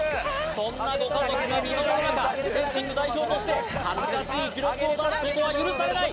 そんなご家族が見守る中フェンシング代表として恥ずかしい記録を出すことは許されない！